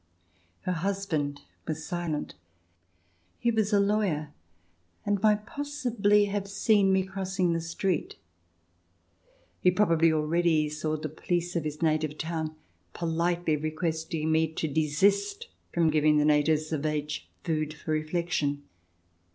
Her husband was silent : he was a lawyer, and might possibly have seen me crossing the street. He probably already saw the police of his native town politely requesting me to desist from giving the natives of H food for reflection.